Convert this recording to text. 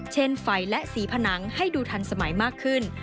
ไฟและสีผนังให้ดูทันสมัยมากขึ้น